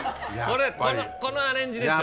このアレンジですよ。